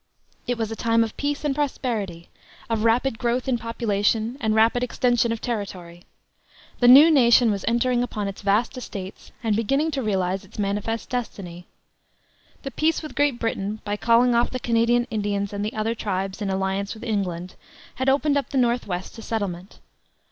It was a time of peace and prosperity, of rapid growth in population and rapid extension of territory. The new nation was entering upon its vast estates and beginning to realize its manifest destiny. The peace with Great Britain, by calling off the Canadian Indians and the other tribes in alliance with England, had opened up the North west to settlement.